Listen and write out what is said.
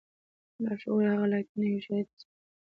لاشعور هغه لايتناهي هوښياري ته سپاري.